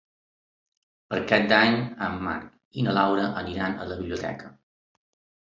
Per Cap d'Any en Marc i na Laura aniran a la biblioteca.